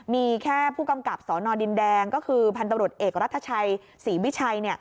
มีแค่ผู้กำกับสนดินแดงก็คือพันธบรวจเอกรัฐชัยศรีวิชัย